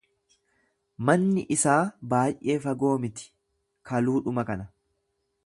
Manni isaa baay'ee fagoo miti kaluu dhuma kana.